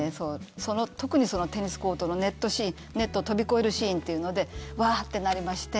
特にそのテニスコートのネットを飛び越えるシーンというのでわー！ってなりまして。